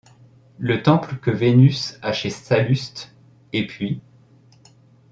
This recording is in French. Le temple que Vénus a chez Salluste, et puis